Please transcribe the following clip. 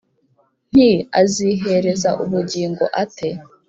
Nti: azihereza ubugingo ate ?